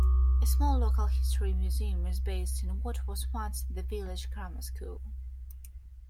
A small local-history museum is based in what was once the village grammar school.